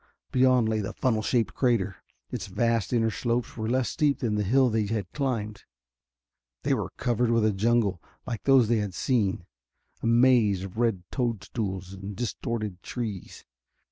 Beyond lay the funnel shaped crater. Its vast inner slopes were less steep than the hill they had climbed. They were covered with a jungle, like those they had seen a maze of red toadstools and distorted trees.